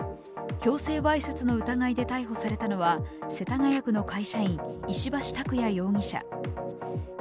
強制わいせつの疑いで逮捕されたのは、世田谷区の会社員石橋拓也容疑者。